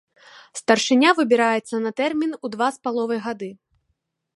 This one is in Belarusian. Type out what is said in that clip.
Старшыня выбіраецца на тэрмін у два з паловай гады.